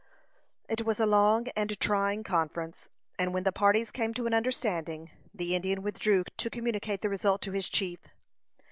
It was a long and trying conference, and when the parties came to an understanding, the Indian withdrew to communicate the result to his chief.